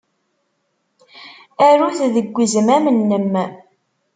Aru-t deg uzmam-nnem.